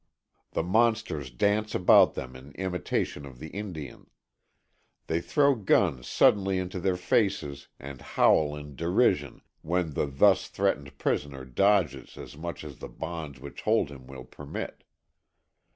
The monsters dance about them in imitation of the Indian. They throw guns suddenly into their faces and howl in derision when the thus threatened prisoner dodges as much as the bonds which hold him will permit.